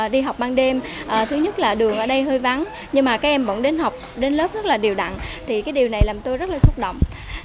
đi học ban đêm thứ nhất là đường ở đây hơi vắng nhưng mà các em vẫn đến học đến lớp rất là điều đẳng thì cái điều này làm tôi rất là xúc động